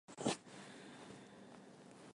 后来曹操任命丁仪为西曹掾。